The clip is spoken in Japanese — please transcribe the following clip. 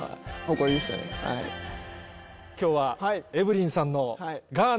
今日はエブリンさんの。